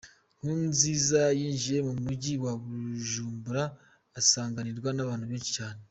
Nkurunziza yinjiye mu mujyi wa Bujumbura asanganirwa n’abantu benshi cyane